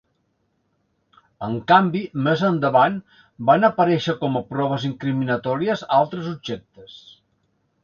En canvi, més endavant, van aparèixer com a proves incriminatòries altres objectes.